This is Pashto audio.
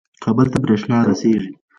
کابل ته برېښنا رسیږي.